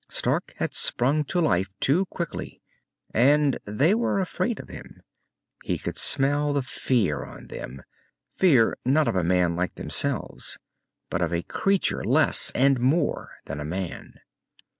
Stark had sprung to life too quickly. And they were afraid of him. He could smell the fear on them. Fear not of a man like themselves, but of a creature less and more than man.